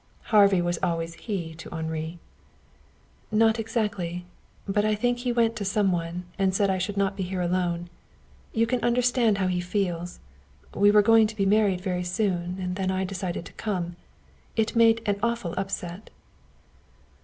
Harvey was always "he" to Henri. "Not exactly. But I think he went to some one and said I should not be here alone. You can understand how he feels. We were going to be married very soon, and then I decided to come. It made an awful upset."